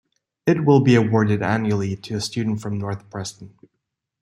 It will be awarded annually to a student from North Preston.